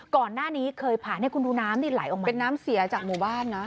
ก่อนหน้านี้เคยผ่านให้คุณดูน้ำนี่ไหลออกมาเป็นน้ำเสียจากหมู่บ้านนะ